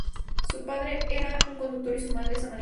Su padre era un conductor y su madre es ama de casa.